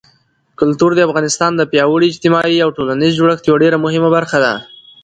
کلتور د افغانستان د پیاوړي اجتماعي او ټولنیز جوړښت یوه ډېره مهمه برخه ده.